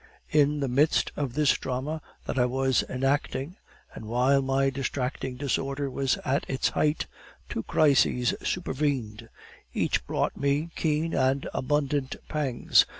"In the midst of this drama that I was enacting, and while my distracting disorder was at its height, two crises supervened; each brought me keen and abundant pangs.